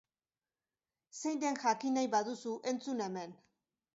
Zein den jakin nahi baduzu, entzun hemen.